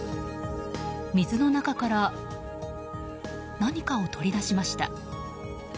水の中から何かを取り出しました。